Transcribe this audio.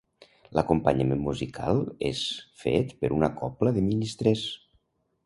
L'acompanyament musical és fet per una cobla de ministrers.